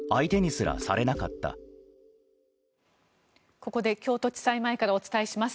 ここで京都地裁前からお伝えします。